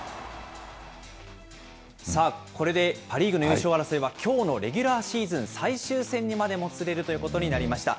さあ、これでパ・リーグの優勝争いはきょうのレギュラーシーズン最終戦にまでもつれるということになりました。